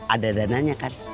ada dananya kan